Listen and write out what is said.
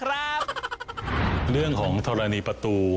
เรื่องของทรณีประตู